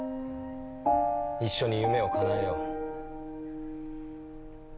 一緒に夢をかなえよう。